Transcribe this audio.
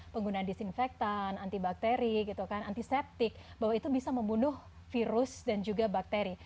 penggunaan disinfektan antibakteri antiseptik bahwa itu bisa membunuh virus dan juga bakteri